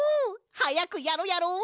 はやくやろやろ！